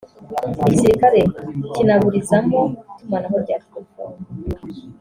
igisirikare kinaburizamo itumanaho rya telefoni